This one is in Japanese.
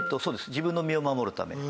自分の身を守るために。